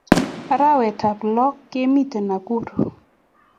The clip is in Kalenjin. Arawet ab loo kemiten Nakuru